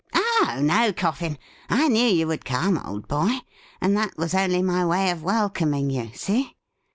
' Oh no, Coffin ; I knew you would come, old boy, and that was only my way of welcoming you — see